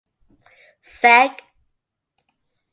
Sec.